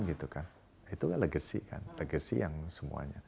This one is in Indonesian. itu kan legasi legasi yang semuanya